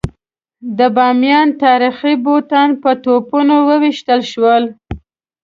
د بامیانو تاریخي بوتان په توپونو وویشتل شول.